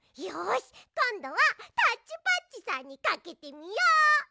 よしこんどはタッチパッチさんにかけてみよう。